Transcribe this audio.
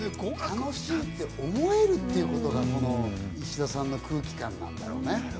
楽しいと思えるってことが、石田さんの空気感なんだよね。